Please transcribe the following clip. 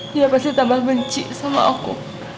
dia pasti tambah benci sama aku